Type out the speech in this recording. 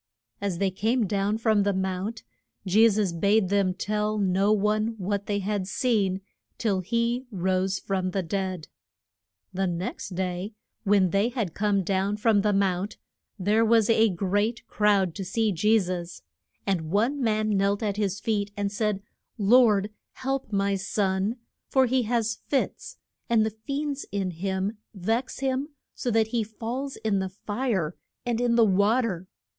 As they came down from the mount, Je sus bade them tell no one what they had seen till he rose from the dead. [Illustration: PE TER AND THE TRIB UTE MON EY.] The next day, when they had come down from the mount, there was a great crowd to see Je sus. And one man knelt at his feet and said, Lord, help my son, for he has fits, and the fiends in him vex him so that he falls in the fire and in the wa ter.